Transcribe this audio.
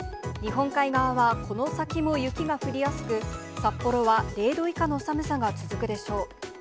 日本海側は、この先も雪が降りやすく、札幌は０度以下の寒さが続くでしょう。